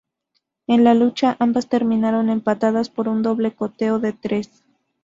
En la lucha, ambas terminaron empatadas por un doble conteo de tres.